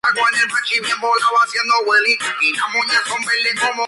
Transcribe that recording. Todos los buques sobrevivientes al conflicto, pasaron a formar parte de la Armada Española.